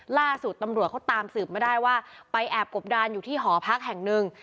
ล่าสุดตำรวจเขาตามสืบมาได้ว่าไปแอบกบดานอยู่ที่หอพักแห่งหนึ่ง